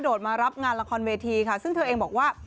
มารับงานละครเวทีค่ะซึ่งเธอเองบอกว่า